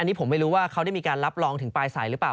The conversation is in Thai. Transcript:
อันนี้ผมไม่รู้ว่าเขาได้มีการรับรองถึงปลายสายหรือเปล่า